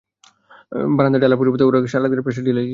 বারান্দায় ঢালার পরিবর্তে ওর সারা গায়ে প্রসাদ ঢেলে দিয়েছিস।